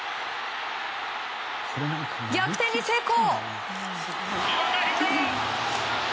逆転に成功！